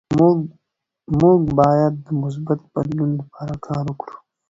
موږ باید د مثبت بدلون لپاره کار وکړو.